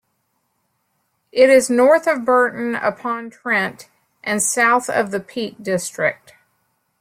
It is north of Burton upon Trent and south of the Peak District.